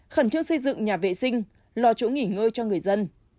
khẩn trương xây dựng nhà vệ sinh lò chỗ nghỉ ngơi cho người dân